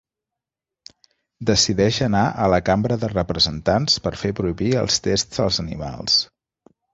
Decideix anar a la Cambra de representants per fer prohibir els tests als animals.